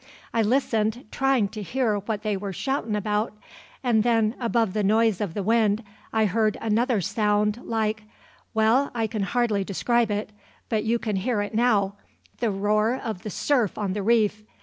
I listened, tryin' to hear what they were shoutin' about; and then, above the noise of the wind, I heard another sound, like well, I can hardly describe it, but you can hear it now, the roar of the surf on the reef.